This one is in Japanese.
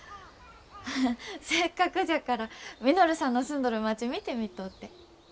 ハハッせっかくじゃから稔さんの住んどる町見てみとうて。